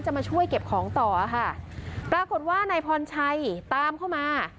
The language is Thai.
มาช่วยเก็บของต่อค่ะปรากฏว่านายพรชัยตามเข้ามา